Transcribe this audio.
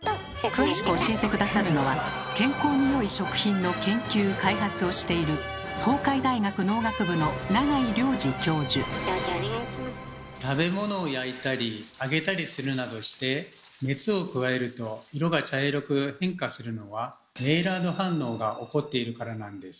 詳しく教えて下さるのは健康に良い食品の研究・開発をしている食べ物を焼いたり揚げたりするなどして熱を加えると色が茶色く変化するのは「メイラード反応」が起こっているからなんです。